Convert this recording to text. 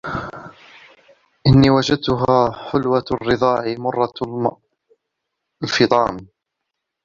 إنِّي وَجَدْتهَا حُلْوَةَ الرَّضَاعِ مَرَّةَ الْفِطَامِ